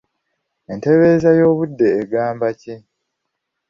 Entembereeza y’obudde egamba ki?